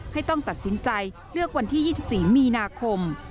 ต้องตัดสินใจเลือกวันที่๒๔มีนาคม